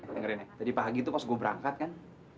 tenggerin ya tadi pagi tuh pas gua berangkat kan